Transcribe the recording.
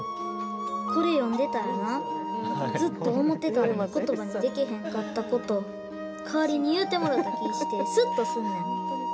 これ読んでたらなずっと思ってたのに言葉にでけへんかったこと代わりに言うてもろた気ぃしてスッとすんねん。